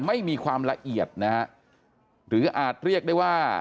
ไม่มีความละเอียดนะฮะหรืออาจเรียกได้ว่า